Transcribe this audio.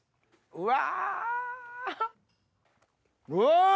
うわ！